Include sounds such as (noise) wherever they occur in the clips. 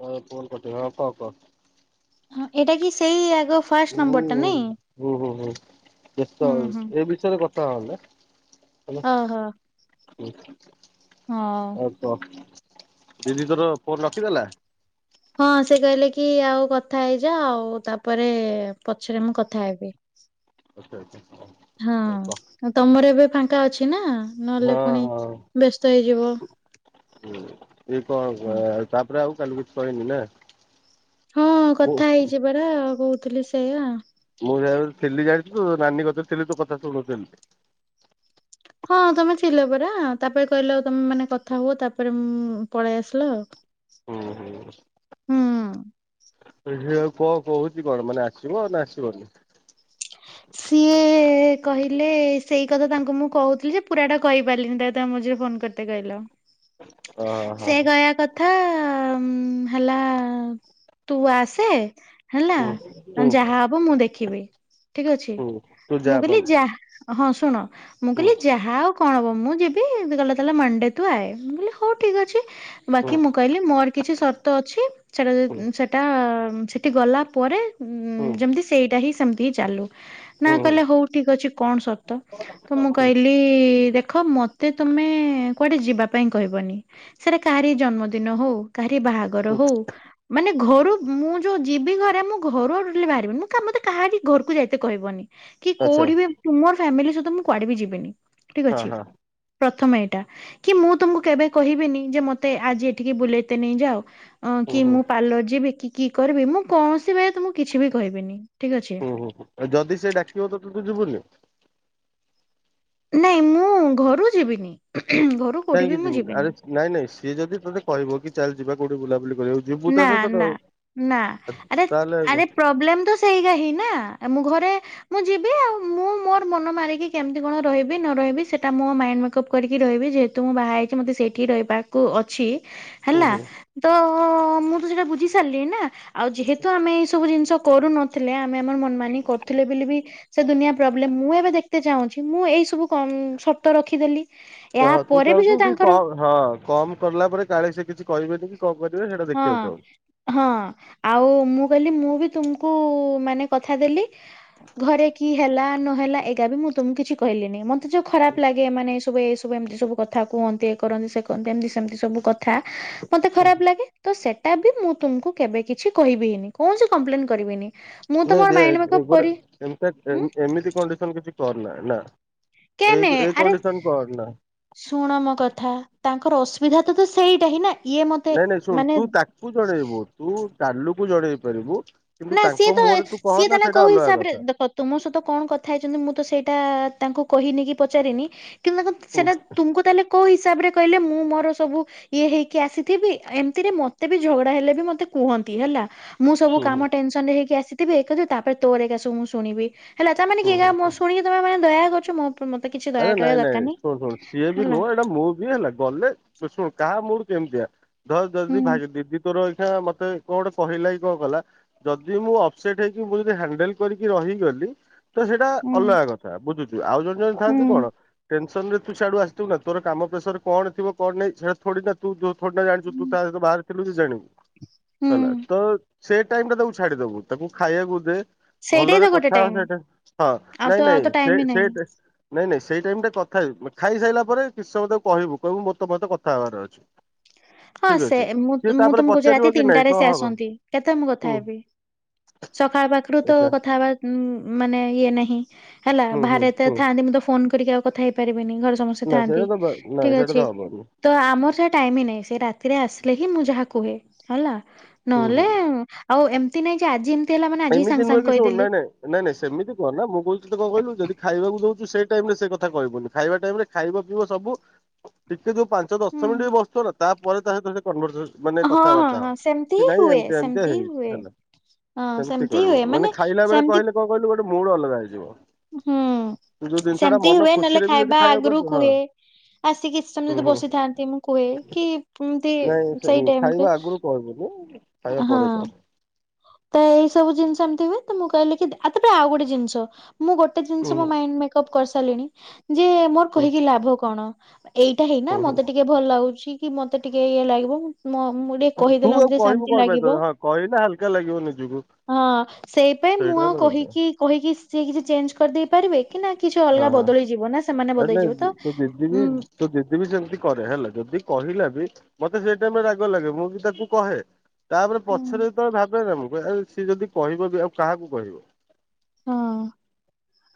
କଣପାଇଁ ଫୋନ କରିଥିଲ କ କ। ହଁ ଏଇଟା କି ସେଇ ଆଗ ଫାଷ୍ଟ ନମ୍ବର ଟା ନାଇଁ। ଓହୋ ହୋ ହୁଁ ବ୍ୟସ୍ତ ହୁଁ ହୁଁ ଏ ବିଷୟରେ କଥା ହେଉନା ହେଲା ଓହୋ ହଉ। ଆଉ (unintelligible) କ ଦିଦି ତୋର ଫୋନ ରଖିଦେଲା। ହଁ ସେ କହିଲେ କି ଆଉ କଥା ହେଇଯା ଆଉ ତାପରେ ପଛରେ ମୁଁ କଥା ହେବି। ଆଛା ଆଛା ହଉ। ହଁ କହ ତମର ଏବେ ଫାଙ୍କା ଅଛି ନା ନହେଲେ ହଁ ପୁଣି ବ୍ୟସ୍ତ ହେଇଯିବ। ହୁଁ ଇଏ କଣ ତାପରେ ଆଉ କାଲି କିଛି କହନି ନା। ହଁ ମୁଁ କଥା ହେଇଚି ପରା କହୁଥିଲି ସେଇଆ। ମୁଁ ଇଆଡେ ଥିଲି ଜାଣିଥିଲୁ ନାନୀ କତିରେ ଥିଲେ କଥା ଶୁଣୁଥିଲି। ହଁ ତମେ ଥିଲ ପରା ତାପରେ କହିଲ ଆଉ ତମେ ମାନେ କଥା ହୁଅ ତାପରେ ମୁଁ ପଳେଇ ଆସିଲ। ହୁଁ ହୁଁ। ହୁଁ। ସେ ଝିଅ ଆଉ କଣ କହୁଛି କଣ ମାନେ ଆସିବ ନା ଆସିବନି। (unintelligible) ସିଏ କହିଲେ ସେଇ କଥା ତାଙ୍କୁ ମୁଁ କହୁଥିଲି ଯେ ପୁରାଟା କହିପାରିଲିନି ତାକୁ ତାଙ୍କ ମଝିରେ ଫୋନ୍ କର ମୋତେ କହିଲ ଅ ହଁ ସେ କହିବା କଥା କଥା ହେଲା ତୁ ଆସେ ହେଲା ହୁଁ ହୁଁ ଯାହା ହବ ମୁଁ ଦେଖିବି। ଠିକ ଅଛି। ହୁଁ ତୁ ଯା ମୁଁ କହିଲି ମାମୁଁ ଯାହା ହଁ ଶୁଣ ମୁଁ କହିଲି ଯାହା ହଉ କଣ ହବ ମୁଁ ଯିବି। କହିଲା ତାହେଲେ ମଣ୍ଡେ ତୁ ଆଏ। ମୁଁ କହିଲି ହଉ ଠିକ୍ ଅଛି। ହୁଁ ବାକି ମୁଁ କହିଲି ମୋର କିଛି ସର୍ତ ଅଛି ସେଟା ହୁଁ ଯ ସେଟା ସେଠି ଗଲା ପରେ ହୁଁ ଯେମିତି ସେଇଟା ହିଁ ସେମିତି ଚାଲୁ। ନା ହୁଁ ହୁଁ କହିଲେ ହଉ ଠିକ୍ ଅଛି କଣ ସର୍ତ? ତ ମୁଁ କହିଲି ଦେଖ ମ ମୋତେ ତମେ କୁଆଡେ ଯିବା ପାଇଁ କହିବନି। ସେଟା କାହାରି ଜନ୍ମଦିନ ହଉ କାହାରି ବାହା ଘର ହୁଁ ହଉ ମାନେ ଘରୁ ମୁଁ ଯୋଉ ଯିବି ଘରେ ମୁଁ ଘରୁ ଆଉ ଟୋଟାଲି ବାହାରିବିନି। ମୁଁ କାହାରି ଘରକୁ ଯାଇ ତେ କହିବନି, କି ଆଚ୍ଛା କୋଉଠି ବି ତୁମର ଫ୍ୟାମିଲି ସହିତ ମୁଁ କୁଆଡେ ବି ଯିବିନି ଠିକ୍ ହଁ ଅଛି। ହଁ ପ୍ରଥମେ ଏଇଟା। କି ମୁଁ ତୁମକୁ କେବେ କହିବିନି ଯେ ମତେ ଆଜି ଏଠିକି ବୁଲେଇତେ ନେଇଯାଅ ଅଁ ହୁଁ କି ହୁଁ ମୁଁ ପାର୍ଲର ଯିବି କି, କି କରିବି ମୁଁ କୌଣସି ତମକୁ କିଛି ବି କହିବିନି ଠିକ୍ ଅଛି। ଓହୋ। ଯଦି ସେ ଡାକିବ ତ ତୁ ଯିବୁନି? ନାଇଁ ମୁଁ ଘରୁ ଯିବିନି। ଘରୁ କୋଉଠି ବି କାହିଁକି ମୁଁ ଯିବୁନି? ଯିବିନି ଆରେ ନାଇଁ ନାଇଁ ସିଏ ଯଦି ତୋତେ କହିବ କି ଚାଲ ଯିବା କୋଉଠି ବୁଲା ବୁଲି କରିବାକୁ ଯିବୁ ତା ନା ସହିତ ନା ଆଉ ନା, ଆରେ ତାହେଲେ ଆରେ ହୁଁ ପ୍ରୋବ୍ଲେମ ତ ସେଇଟା ହିଁ ନା। ଆ ମୁଁ ଘରେ ମୁଁ ଯିବି ଆଉ। ମୁଁ ମୋର ମନ ମାରିକି କେମିତି କଣ ରହିବି ନ ରହିବି ସେଟା ମୋ ମାଇଣ୍ଡ ମେକପ୍ କରିକି ରହିବି। ଯେହେତୁ ମୁଁ ବାହା ହେଇଚି ମତେ ସେଇଠି ହିଁ ରହିବାକୁ ଅଛି ହେଲା। ହୁଁ ତ ଓ ମୁଁ ତ ସେଇଟା ବୁଝି ସାରିଲିଣି ନା। ଆଉ ଯେହେତୁ ଆମେ ଏଇ ସବୁ ଜିନିଷ କରୁନୁ ଥିଲେ ଆମେ ଆମର ମନ ମାନି କରୁଥିଲେ ବୋଲି ବି ସେ ଦୁନିଆ ପ୍ରୋବ୍ଲେମ୍। ମୁଁ ଏବେ ଦେଖିତେ ଚାହୁଁଚି ମୁଁ ଏଇସବୁ କ ସର୍ତ ରଖିଦେଲି। ଏହା ହଁ ତୁ ପରେ ବି ଚାହୁଁଛୁ ଯଦି କି ତାଙ୍କର କମ୍ ହଁ କମ୍ କରିଲା ପରେ କାଳେ ସେ କିଛି କହିବେନି କି କଣ କରିବେ ସେଇଟା ହଁ ଦେଖିବାକୁ ଚାହୁଁ। ହଁ। ଆଉ ମୁଁ କହିଲି ମୁଁ ବି ତୁମକୁ ମାନେ କଥା ଦେଲି ଘରେ କି ହେଲା ନହେଲା ଏଇଗା ବି ମୁଁ ତମକୁ କିଛି କହିଲିିନି। ମତେ ଯୋଉ ଖରାପ ଲାଗେ ମାନେ ସବୁ ଏ ସବୁ ଏମିତି ସବୁ କଥା କୁହନ୍ତି, ଏ କରନ୍ତି ସେ କରନ୍ତି ଏମିତି ସେମିତି ସବୁ କଥା ମତେ ଖରାପ ଲାଗେ। ତ ସେଟା ବି ମୁଁ ତୁମକୁ କେବେ କିଛି କହିବିନି। କୌଣସି କମ୍ପ୍ଲେନ କରିବିନି। ମୁଁ ତ ନାଇଁ ମୋର ମାଇଣ୍ଡ ଦେଖ୍ ମେକଅପ୍ ଗୋଟେ କରି ହୁଁ ଏମିତି କଣ୍ଡିସନ କିଛି କରନା ନା। କେନେ ଏଇ ଏଇ ଆରେ କଣ୍ଡିସନ କରନା। ଶୁଣ ମୋ କଥା ତାଙ୍କର ଅସୁବିଧା ତ ତ ସେଇଟା ହିଁ ନା। ଇଏ ମୋତେ ନାଇଁ ନାଇଁ ଶୁଣ ମାନେ ତୁ ଜଣେଇବ, ତୁ ତାଲୁ କୁ ଜଣେଇ ପାରିବୁ। କିନ୍ତୁ ନା ସିଏ ତାଙ୍କ ତ ମୁହଁରେ ତୁ ସିଏ କହନା ତାହେଲେ ନା ସେଇଟା କୋଉ ଅଲଗା ହିସାବରେ କଥା ଦେଖ ତୁମ ସହିତ କଣ କଥା ହେଇଚନ୍ତି ମୁଁ ତ ସେଇଟା ତାଙ୍କୁ କହିନି କି ପଚାରିନି। କିନ୍ତୁ ଦେଖ ହୁଁ ସେଇଟା ତୁମକୁ ତାହେଲେ କୋଉ ହିସାବରେ କହିଲେ ମୁଁ ମୋର ସବୁ ଇଏ ହେଇକି ଆସିଥିବି, ଏମିତିରେ ମତେ ବି ଝଗଡା ହେଲେ ବି ମୋତେ କୁହନ୍ତି ହେଲା। ମୁଁ ସବୁ ହୁଁ ହୁଁ କାମ ଟେନସନ୍ ରେ ହେଇକି ଆସିଥିବି (unintelligible) ତାପରେ ତୋର ଏକା ସବୁ ମୁଁ ଶୁଣିବି। ହେଲା ତାମାନେ କି ହୁଁ ହୁଁ ଏକା ଶୁଣିକି ତମେ ମାନେ ଦୟା କରୁଚ ମୋ ମତେ କିଛି ଦୟା ଆରେ କରିବା ନାଇଁ ଦରକାର ନାଇଁ ନାହିଁ ଶୁଣୁ ଶୁଣୁ ସିଏ ବି ହେଲା ନୁହଁ ଏଟା ମୁଁ ବି ହେଲା ଗଲେ ତୁ ଶୁଣ କାହା ମୁଡ୍ କେମିତିଆ ଧର ହୁଁ ଯଦି ଭା ଦିଦି ତୋର ଏଇଠା ମତେ କଣ ଗୋଟେ କହିଲା କିି କଣ କଲା, ଯଦି ମୁଁ ଅପସେଟ୍ ହେଇକି ମୁଁ ଯଦି ହ୍ୟାଣ୍ଡେଲ୍ କରିକି ରହିଗଲି ତ ସେଇଟା ହୁଁ ଅଲଗା କଥା ବୁଝୁଚୁ। ଆଉ ଜଣେ ଜଣେ ହୁଁ ଥାଆନ୍ତି ଟେନସନ୍ ରେ ତୁ ସିଆଡୁ ଆସିଥିବୁ ନା ତୋର କାମ ପ୍ରେସର କଣ ଥିବ କଣ ନାଇଁ ସେଇଟା ଥୋଡି ନା ତୁ ଯୋଉ ଥୋଡି ଜାଣିଚୁ। ତୁ ତା ସହିତ ବାହାରେ ଥିଲୁ ଯେ ଜାଣିବୁ। ହେଲା। ହୁଁ ତ ସେ ଟାଇମ୍ ଟା ତାକୁ ଛାଡିଦବୁ। ତାକୁ ଖାଇବାକୁ ଦେ ସେଇଟା ହିଁ ତ ଭଲରେ ଗୋଟେ କଥା ହୋ ଟାଇମ ସେଟା ହଁ ଆଉ ତ ନାଇଁ ଆଉ ନାଇଁ ତ ଟାଇମ ସେ ହିଁ ନାହିଁ। ସେଇଟେ ନାଇଁ ନାଇଁ ସେଇ ଟାଇମିଟା କଥା ହେବି ଖାଇସାରିଲା ପରେ କିଛି ସମୟ ତାକୁ କହିବୁ କହିବୁ ମୋର ତମ ସହିତ କଥା ହେବାର ଅଛି। ହଁ ଠିକ ସେ ଅଛି ମୁଁ ସିଏ ତୁ ମୁଁ ତାପରେ ତମ କହୁଚି ପଚାରିବ ରାତି କି ନାଇଁ ତିନିଟାରେ କଣ ସେ ହବ ଆସନ୍ତି କେତେବେଳେ ମୁଁ କଥା ହୁଁ ହେବି। ସକାଳ ପାଖରୁ ତ ଆଛା କଥାବା ଉଁ ମାନେ ଇଏ ନାହିଁ ହେଲା ହୁଁ ହୁଁ ବାହାରେ ଏତେ ହୁଁ ଥାନ୍ତି ମୁଁ ତ ଫୋନ କରିକି ଆଉ କଥା ହେଇପାରିବିନି ଘର ସମସ୍ତେ ନା ସେଥାନ୍ତି ସେଇଟା ତ ନାଇଁ ଠିକ୍ ସେଇଟା ତ ଅଛି। ହବନି ତ ଆମର ସେ ଟାଇମ୍ ନାହିଁ ସେ ରାତିରେ ଆସିଲେ ହିଁ ମୁଁ ଯାହା କୁହେ ହେଲା। ହୁଁ ହୁଁ ନହେଲେ ଆଉ ଏମିତି ନାଇଁ ଯେ ଆଜି ଏମିତି ହେଲା ମାନେ ଆଜିି ହିଁ ଏମିତି ସାଙ୍ଗେ ନୁହେଁ କି ସାଙ୍ଗେ ଶୁଣ ନାଇଁ କହିଦେଲି। ନାଇଁ ନାଇଁ ନାଇଁ ସେମିତି କୁହ ନା ମୁଁ କହୁଥିଲି କଣ କହିଲୁ ଯଦି ଖାଇବାକୁ ଦୋଉଛୁ ସେଇ ଟାଇମ୍ ରେ ସେ କଥା କହିବୁନି ଖାଇବା ଟାଇମ୍ ରେ ଖାଇବ ପିଇବ ସବୁ ଟିକେ ଯୋଉ ପାଞ୍ଚ ହୁଁ ଦଶ ମିନିଟ୍ ବି ବସୁଥିବ ନା ତାପରେ ତା ସହିତ ମାନେ ଜଷ୍ଟ ମାନେ ହଁ ହଁ କଥାବାର୍ତ୍ତା ହବା ହଁ ସେମିତି ହିଁ କି ନାହିଁ ହୁଏ ଏମିତିଆ ଏମିତିଆ ସେମିତି ହିଁ ହେଇଚି ହୁଏ। ହେଲା। ହଁ ସେମିତି ହିଁ ହୁଏ କରିବୁନି ମାନେ ଖାଇଲା ବେଳେ ସେମିତି କହିଲେ କଣ କହିଲୁ ଗୋଟେ ମୁଡ ଅଲଗା ହେଇଯିବ। ହୁଁ ଯୋଉ ଜିନିଷ ଟା ସେମିତି ମନ ହୁଏ ନହେଲେ ଖୁସିରେ ବି ଯଦି ଖାଇବା ଖାଇବାକୁ ଆଗରୁ ପାରୁଛୁ ହଁ କୁହେ। ଆସିକି କିଛି ସମୟ ହୁଁ ଯଦି ହୁଁ ବସିଥାନ୍ତି ମୁଁ କୁହେ କି ଏମତି ନାଇଁ ସେ ସେଇ ଟାଇମରେ ଖାଇବା ଆଗରୁ କହିବୁନୁ ଖାଇବା ହଁ ପରେ କହ। ତ ଏଇସବୁ ଜିନିଷ ଏମିତି ହୁଏ ତ ମୁଁ କହିଲି କି ତାପରେ ଆଉ ଗୋଟେ ଜିନିଷ ମୁଁ ଗୋଟେ ହୁଁ ଜିନିଷ ମୋ ମାଇଣ୍ଡ ମେକ ଅପ କରିସାରିଲିଣି ଯେ ମୋର ହୁଁ କହିକି ଲାଭ କଣ ଏଇଟା ହୁଁ ହେଇକିନା ହୁଁ ମତେ ଟିକେ ଟିକେ ଭଲ ଲାଗୁଛି କି ମତେ ଟିକେ ଇଏ ଲାଗିବ ମୁ ଟିକେ ତୁ କହିଦେ ମତେ ଆଉ ଟିକେ କହିବୁ ଶାନ୍ତି କଣ ପାଇଁ ତତେ ଲାଗିବ। ହଁ କହିଲେ ହାଲକା ଲାଗିବ ନିଜକୁ। ହଁ ସେଇ ପାଇଁ ମୁଁ ସେଇଟା ଆଉ ହେଲା କଥା। କହିକି କହିକି ସିଏ କିଛି ଚେଞ୍ଜ କରିଦେଇ ପରିବେ କି ନା କିଛି ହଁ ଅଲଗା ହଁ। ବଦଳିଯିବ ନା ସେମାନେ ଆରେ ନାଇଁ ବଦଳିଯିବ ଦି- ତ ତୋ ଦିଦି ବି ଉଁ ତୋ ଦିଦି ବି ସେମିତି କରେ ହେଲା ଯଦି କହିଲା ବି ମତେ ସେଇ ଟାଇମ୍ ରେ ରାଗ ଲାଗେ ମୁଁ ବି ତାକୁ କହେ। ତାପରେ ପଛରେ ଯେ ତବେଳେ ଭାବେ ନା ମୁଁ କହ ସିଏ ଯଦି କହିବ ବି ଆଉ କାହାକୁ କହିବ। ହଁ।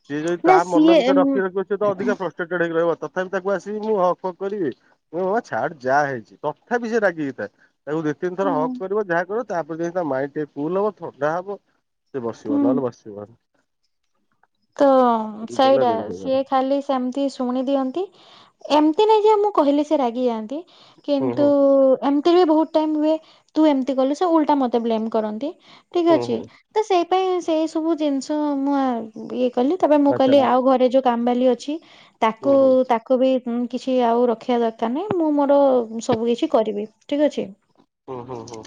ସିଏ ଯଦି ନା ତା ମନ ସିଏ ଭିତରେ ରଖି ରଖିବ ସିଏ ତ ଅଧିକା ପ୍ରଷ୍ଟେଟେ ହେଇି ରହିବ ତଥାପି ତାକୁ ଆସିବି ମୁଁ ହକ୍ ହକ୍ କରିବି। ଓ ବାବା ଛାଡ ଯାହା ହେଇଚି ତଥାପି ସେ ରାଗି ହେଇଥାଏ। ତାକୁ ଦିଇ ତିନ ଥ ହକ୍ ହୁଁ କରିବ ଯାହା କରିବ ତାପରେ ଯାଇ ତା ମାଇଣ୍ଡ ଟେ କୁଲ ହବ ଥଣ୍ଡା ହବ ସେ ବସିବ ନହେଲେ ବସିବନି। ତ ଏମିତି ହେଲା ସେଇଟା ଜିନିଷ ତାର। ସିଏ ଖାଲି ସେମିତି ଶୁଣି ଦିଅନ୍ତି ଏମିତି ନାଇଁ ଯେ ମୁଁ କହିଲେ ସେ ରାଗି ଯାଆନ୍ତି। ହୁଁ କିନ୍ତୁ ହୁଁ ଏମିତି ବି ବୋହୁତ ଟାଇମ୍ ହୁଏ ତୁ ଏମିତି କଲୁ ସେ ଉଲଟା ମତେ। ମତେ ବ୍ଲେମ କରନ୍ତି ଠିକ ହୁଁ ଅଛି ହୁଁ ତ ସେଇ ପାଇଁ ସେଇ ସବୁ ଜିନିଷ ମୁଁ ଇଏ କଲି ତାପରେ ମୁଁ ଆଚ୍ଛା କହିଲି ଆଉ ଘରେ ଯୋଉ କାମବାଲି ଅଛି ତାକୁ ହୁଁ ତାକୁ ହୁଁ ତାକୁ ବି ମୁଁ କିଛି ଆଉ ରଖିବା ଦରକାର ନାହିଁ ମୁଁ ମୋର ସବୁ କିଛି କରିବି ଠିକ୍ ଅଛି। ହୁଁ ହୁଁ ହୁଁ।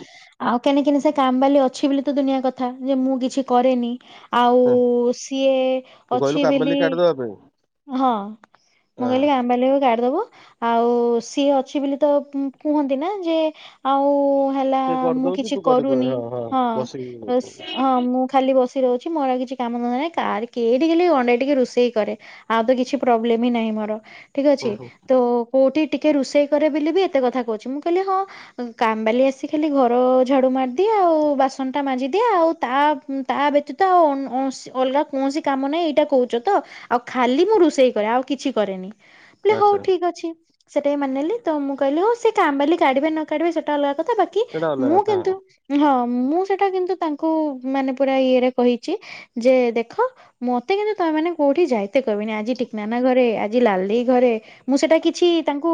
ଆଉ କେନେ କେନେ ସେ କାମବାଲି ଅଛି ବୋଲି ତ ଦୁନିଆ କଥା ଯେ ମୁଁ କିଛି କରେନି ଆଉ ସି ସିଏ ତୁ କହିଲୁ ଅଛି କାମେଲି ବେଲି କାର୍ଡ ଦବା ପାଇଁ ହଁ ମୁଁ ହଁ କହିଲି ଆମ୍ବାଲି ବି ଗାଡିଦବୁ। ଆଉ ସିଏ ଅଛି ବୋଲି ତ ପୁଁ କୁହନ୍ତି ନା ଯେ ଆଉ ହେଲା ସେ ମୁଁ କରିଦଉଛି କିଛି ତୁ କରିବୁ କରୁନି ହଁ ଅସ୍ ବସିକି ହ ମୁଁ ଖାଲି ବସି ରହୁଚି ମୋର ଆଉ କିଛି କାମ ଧନ୍ଦା ନାଇ। ତାର କେହି ଟିକେଲେ ଅଣ୍ଡେଇ ଟିକେ ରୋଷେଇ କରେ ଆଉ ତ କିଛି ପ୍ରୋବଲେମ ହିଁ ମୋର। ଠିକ ଅଛି ହୁଁ ହୁଁ ତ କୋଉଠି ଟିକେ ରୋଷେଇ କରେ ବେଲି ବି ଏତେ କଥା କହୁଚି ମୁଁ କହିଲି ହଁ। କାମବାଲି ଆସି ଖାଲି ଘର ଝାଡୁ ମାରିଦିଏ ଆଉ ବାସନ ଟା ମାଜି ଦିଏ ଆଉ ତା ତା ବ୍ୟତୀତ ତ ଉଁ ଉଁ ସେ ଅଲଗା କୌଣସି କାମ ନାହିଁ ଏଇଟା କହୁଛ ତ ଆଉ ଖାଲି ମୁଁ ରୋଷେଇ କରେ ଆଉ କିଛି କରେନି। ହଉ ଆଚ୍ଛା ଠିକ ଅଛି ସେଟା ମାନିନେଲି ତ ମୁଁ କହିଲି ହଉ ସେ କାମବାଲି କାଢିବେ ନ କାଢିବେ ସେଟା ଅଲଗା କଥା ବାକି ସେଇଟା କି ଅଲଗା ମୁଁ କଥା କିନ୍ତୁ ହଁ। ହଁ ମୁଁ ସେଟା କିନ୍ତୁ ତାଙ୍କୁ ମାନେ ପୁରା ଇଏରେ କହିଛି ଯେ ଦେଖ ଦେଖ ମତେ କିନ୍ତୁ ତମ ମାନେ କୋଉଠି ଯାଇତେ କହିବିନି ଆଜି ଟିକନାନା ଘରେ ଆଜି ଲାଲି ଘରେ ମୁଁ ସେଟା କିଛି ତାଙ୍କୁ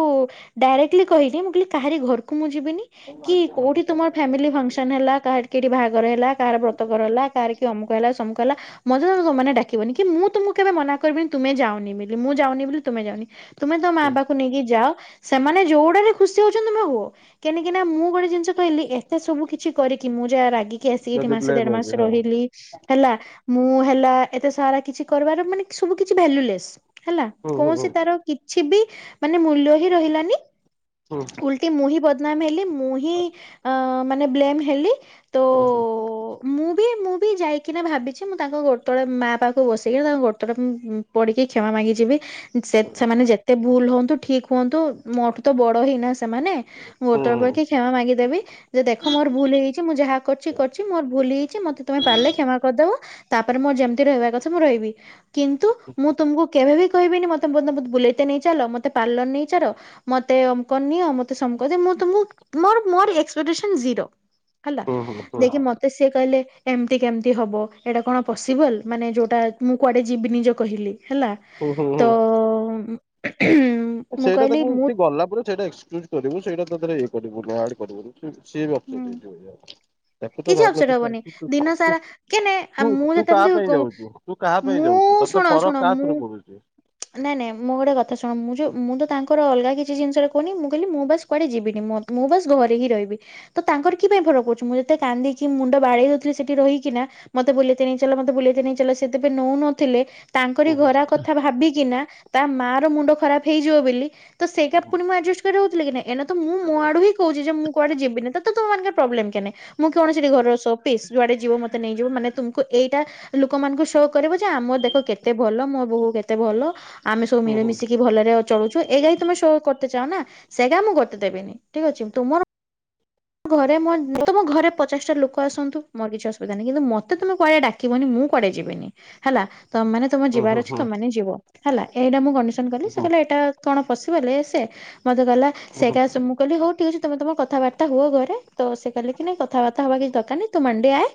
ଡାଇରେକ୍ଟଲି କହିଲି ମୁଁ କହିଲି କାହାରି ଘରକୁ ମୁଁ ଯିବିନି। କି କୋଉଠି ତୁମର ଫ୍ୟାମିଲି ଫଙ୍କସନ ହେଲା କାହାର କି ଏଠି ବାହାଘର ହେଲା କାହାର ବ୍ରତକର ହେଲା କାହାର କିଏ ଅମୁକ ହେଲା ସମୁଖ ହେଲା ମତେ ତମେ ତମମାନେ ଡାକିବନି କି ମୁଁ ତୁମକୁ କେବେ ମନା କରିବିନି ତୁମେ ଯାଅନି ବୋଲି ମୁଁ ଯାଉନି ବୋଲି ତୁମେ ଯାଅନି। ତୁମେ ତମ ମା ହୁଁ ବାପକୁ ନେଇକି ଯାଅ। ସେମାନେ ଯୋଉଡାରେ ଖୁସି ହଉଛନ୍ତି ତମେ ହୁଅ। କେନିକିନା ମୁଁ ଗୋଟେ ଜିନିଷ କହିଲି ଏତେ ସବୁ କିଛି କରିକି ମୁଁ ଯାହା ରାଗି କି ଆସିକି ଏଠି ଯଦି ମାସ ଦେଢ ବ୍ଲେମ ମାସ ହେବି ହଁ ରହିଲି। ହେଲା ମୁଁ ହେଲା ଏତେ ସାରା କିଛି କରିବାର ମାନେ ସବୁ କିଛି ଭଲ୍ୟୁଲେସ୍। ହେଲା ହୁଁ କୌଣସି ହୁଁ ତାର କିଛି ବି ମାନେ ମୂଲ୍ୟ ହିଁ ରହିଲାନି। ଉଲ୍ କି ମୁଁ ହିଁ ବଦନାମ ହେଲି ମୁଁ ହିଁ ମାନେ ବ୍ଲେମ ହେଲି। ତ ହୁଁ ମୁଁ ବି ମୁଁ ବି ଯାଇକିନା ଭାବିଛି ମୁଁ ତାଙ୍କ ଗୋଡ ତଳେ ମା ପାଖକୁ ବସିକିରି ତାଙ୍କ ଗୋଡ ତଳେ ମୁଁ ପଡିକି କ୍ଷମା ମାଗିଚି ବି। ସେ ସେମାନେ ଯେତେ ଭୁଲ ହୁଅନ୍ତୁ ଠିକ ହୁଅନ୍ତୁ ମୋ ଠୁ ତ ବଡ ହେଇନା ସେମାନେ ମୁଁ ଗୋଡ଼ତଳେ ପଡିକି କ୍ଷମା ମାଗିଦେବି ଯେ ଦେଖ ମୋର ଭୁଲ ହେଇଛି ମୁଁ ଯାହା କରିଛି କରିଛି ମୋର ଭୁଲ ହେଇଛି ମତେ ତମେ ପାରିଲେ କ୍ଷମା କରିଦବ। ତାପରେ ମୁଁ ଯେମତି ରହିବା କଥା ମୁଁ ରହିବି। କିନ୍ତୁ ମୁଁ ତୁମୁକୁ କେଭେବି କହିବିନି ମତେ ବୋ ମତେ ବୁଲେଇତ ନେଇ ଚାଲ ମତେ ପାର୍ଲର ନେଇ ଚାଲ ମତେ ଅମକ ନିଅ ମତେ ସମକ ଦିଅ ମୁଁ ତ ମୁଁ ମୋର ମୋର ଏକ୍ସପେଟେସନ ଜିରୋ। ହେଲା ହୁଁ ହୁଁ ହୁଁ ହୁଁ ହୁଁ ଦେଖେ ହୁଁ। ମତେ ସିଏ କହିଲେ ଏମତି କେମତି ହବ। ଏଇଟା କଣ ପସିବଲ୍ ମାନେ ଯୋଉଟା ମୁଁ କୁଆଡ଼େ ଯିବିନି ଯୋଉ କହିଲି ହେଲା ହୁଁ ହୁଁ ତଅ ହୁଁ ଉଁ ସେଇଟା ତାକୁ ସିଏ ଗଲା ପରେ ସେଇଟା ଏକ୍ସକ୍ଲ୍ୟୁଜ କରିବୁ ସେଇଟା ତାଧେରେ ଇଏ କରିବୁନି ଆଡ କରିବୁନି। ଉଁ ସେ ବି ଅପସେଟ ହେଇଯିବ ଯା ତାକୁ ତ କିଛି ଅପସେଟ ବାଧୁନଥିବ ହବନି ହୁଁ ଦିନ ହୁଁ ସାରା କେନେ ମୁଁ ତୁ ତୁ ଯେତେ କାହା ପାଇଁ ଏମିତି ଯାଉଛୁ? ତୁ କାହା ପାଇଁ ମୁଁ ଯାଉଛୁ ତତେ ଶୁଣ ଫରକ ଶୁଣ କାହା ମୁଁ ଥରେ ପଡୁଛି? ନାଇଁ ନାଇଁ ମୁଁ ଗୋଟେ କଥା ଶୁଣ ମୁଁ ଯୋଉ ମୁଁ ତ ତାଙ୍କର ଅଲଗା କିଛି ଜିନିଷରେ କହୁନି ମୁଁ କହିଲି ମୁଁ ବାସ୍ କୁଆଡ଼େ ଯିବିନି। ମୋତ ମୁଁ ବାସ ଘରେ ହିଁ ରହିବି। ତ ତାଙ୍କର କି ପାଇଁ ଫରକଭପଡୁଛି? ମୁଁ ଯେତେ କାନ୍ଦିଚି ମୁଣ୍ଡ ବାଡେଇ ଦୋଉଥିଲି ସେଠି ରହିକିନା। ମତେ ବୁଲଇତେ ନେଇଚାଲ ମତେ ବୁଲେଇତେ ନେଇ ଚାଲ ସେ ତେବେ ନୋଉନଥିଲେ ତାଙ୍କରି ହୁଁ ଘର କଥା ଭାବି କିନା ତା ମା ର ମୁଣ୍ଡ ଖରାପ ହେଇଯିବ ବେଲି ତ ସେଇଟା ପୁଣି ମୁଁ ଆଡଜଷ୍ଟ କରିକି ରହୁଥିଲି କି ନାଇଁ। ଏଇନା ତ ମୁଁ ମୋ ଆଡୁ ହିଁ କହୁଛି ଯେ ମୁଁ କୁଆଡେ ଯିବିନି। ତ ତମ ମାନଙ୍କର ପ୍ରୋବ୍ଲେମ କେନେ? ମୁଁ କଣ ସେଠି ଘରର ସୋ ପିସ୍ ଯୁଆଡେ ଯିବୁ ମତେ ନେଇଯିବୁ ମାନେ ତୁମ୍କୁ ଏଇଟା ଲୋକମାନଙ୍କୁ ସୋ କରିବୁ ଯେ ଆମର ଦେଖ କେତେ ଭଲ ମୋ ବୋହୁ କେ ତେ ଭଲ ଆମେ ସବୁ ହୁଁ ହୁଁ ମିଳିମିଶିକି ଭଲରେ ଅ ଚଳୁଛୁ ଏଗା ହିଁ ତମେ ସୋ କରତେ ଚାହଁନା ସେଗା ମୁଁ କରତେ ଦେବିନି। ଠିକ ଅଛି ତୁମର ଘରେ ମୋ ତମ ଘରେ ପଚାଶଟା ଲୋକ ଆସନ୍ତୁ ମୋର କିଛି ଅସୁବିଧା ନାହିଁ। କିନ୍ତୁ ମତେ ତମେ କୁଆଡେ ଡା କିବନି ମୁଁ କୁଆଡେ ଯିବିନି ହେଲା ତମେ ମାନେ ତମ ହୁଁ ଯିବାର ଅଛି ହୁଁ ତମେ ମାନେ ଯିବ ହେଲା ଏଇଟା ମୁଁ କଣ୍ଡିସନ କଲି ହୁଁ ସେ କହିଲେ ଏଟା କଣ ପଶିବଲ ଇଏ ସିଏ ମତେ କଇଲା ସେ ହୁଁ ହୁଁ ହୁଁ କେସ ସମୁ କହିଲି ହଉ ଠିକ ଅଛି ତମେ ତମର କଥାବାର୍ତ୍ତା ହୁଅ ଘରେ ତ ସେ କହିଲେ କି ନାଇ କଥାବାର୍ତ୍ତା ହବା କିଛି ଦରକାର ନାହିଁ ତୁ ମାଣ୍ଡିଆ ଆ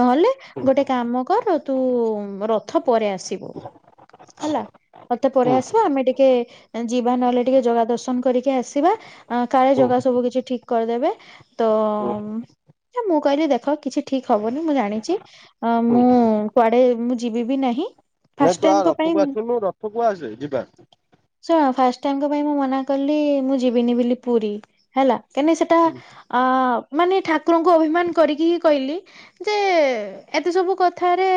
ନହେଲେ ଗୋଟେ କାମ କର ତୁଉ ରଥ ପରେ ଆସିବୁ। ହେଲା ରଥ ପରେ ହୁଁ ଆସିବ ଆମେ ଟିକେ ଯିବା ନହେଲେ ଟିକେ ଜଗା ଦର୍ଶନ କରିକି ଆସିବା। ଅଁ କାଳେ ହୁଁ ଜଗା ସବୁ କିଛି ଠିକ କରିଦେବେ ତଅ ହୁଁ ଉଁ ଏ ମୁଁ କହିଲି ଦେଖ କିଛି ଠିକ ହବନି ମୁଁ ଜାଣିଚି ହଁ ହୁଁ ମୁଁ କୁଆଡେ ମୁଁ ଯିବି ବିି ନାହିଁ। ନାଁ ଫାଷ୍ଟ ତୁ ଆ ଟାଇମଙ୍କ ରଥକୁ ପାଇଁ ଆସୁନୁ ରଥକୁ ଆସେ ଯିବା। ଶୁଣ ଫାଷ୍ଟ ଟାଇମ୍ ଙ୍କ ପାଇଁ ମୁଁ ମନା କଲି ମୁଁ ଯିବିନି ବିଲି ପୁରୀ ହେଲା କେନେ ସେଟା ହୁଁ ଅ ମାନେ ଠାକୁରଙ୍କୁ ଅଭିମାନ କରିକି ହିଁ କହିଲି। ଯେ ଏତେ ସବୁ କଥାରେ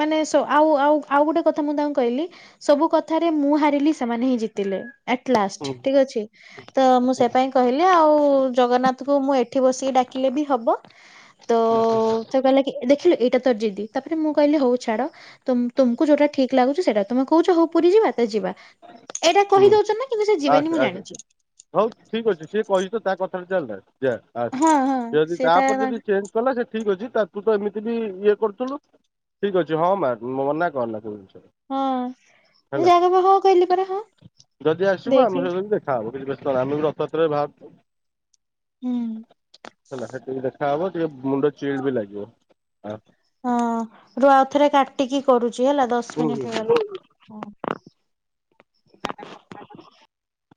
ମାନେ ସୋ ଆଉ ଆଉ ଆଉ ଗୋଟେ କଥା ତ ମୁଁ ତାଙ୍କୁ କହିଲି ସବୁ କଥାରେ ମୁଁ ହାରିଲି ସେମାନେ ହିଁ ଜିତିଲେ ହୁଁ ଆଟଲାଷ୍ଟ ଠିକ ଅଛି ତ ମୁଁ ସେ ପାଇଁ କହିଲି ଆଉ ଜଗନ୍ନାଥକୁ ମୁଁ ଏଠି ବସିକି ଡାକିଲେ ବି ହବ ତଅ ସେ କହିଲା କି ଦେଖିଲୁ ଏଇଟା ତୋର ଯିଦି ତାପରେ ମୁଁ କହିଲି ହଉ ଛାଡ ତୁମ ତୁମକୁ ଯୋଉଟା ଠିକ ଲାଗୁଛି ସେଟା ତୁମେ କହୁଛ ହଉ ପୁରୀ ଯିବା ତ ହଉ ଯିବା ଏଇଟା ହୁଁ କହିଦଉଛ ନା? କିନ୍ତୁ ସେ ଯିବେନି ଆସେ ମୁଁ ଆସେ ଜାଣିଛି। ହଉ ଠିକ ଅଛି ସିଏ କହିଛି ତ ତା କଥାରେ ଚାଲେ ଯା ହଁ ଆଚ୍ଛା ହଁ ସେ ଯଦି ତା ତାପରେ ଯଦି ଚେଞ୍ଜ କଲା ସେ ଠିକ୍ ଅଛି ତାକୁ ତ ଏମିତି ବି ଇଏ କରୁଥୁଲୁ ଠିକ୍ ଅଛି ହଁ ମାର ମନା କରନା କୋଉ ଜିନସରେ ହଁ ଏ ଜାଗ ବା (inaudible) କହିଲି ପରା ହଁ ଯଦି ଆସିବୁ ଦେଖି ଆମ ସହିତ ବି ଦେଖା ହବ କିଛି ବ୍ୟସ୍ତ ନାଇ ଆମେ ବି ରଥଯାତ୍ରରେ ବାହାରୁଛୁ ହୁଁ। ହେଲା ହେଠିବି ଦେଖାହବ ଟିକେ ମୁଣ୍ଡ ଚିଲ୍ଡ ବି ଲାଗିବ ଆଉ ହଁ ରୁଅ ଆଉଥରେ କାଟିକି କରୁଛି ହେଲା ଦଶ ହୁଁ ହୁଁ। ମିନିଟ ହେଇଗଲା ହଁ ସେ (unintelligible)